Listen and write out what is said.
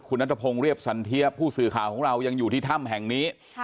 คุณนัทพงศ์เรียบสันเทียผู้สื่อข่าวของเรายังอยู่ที่ถ้ำแห่งนี้